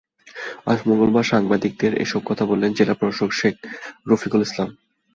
আজ মঙ্গলবার সাংবাদিকদের এসব কথা বলেন জেলা প্রশাসক শেখ রফিকুল ইসলাম।